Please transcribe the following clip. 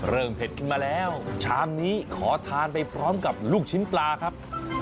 เผ็ดขึ้นมาแล้วชามนี้ขอทานไปพร้อมกับลูกชิ้นปลาครับ